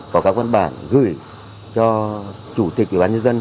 có các văn bản gửi cho chủ tịch ủy ban nhân dân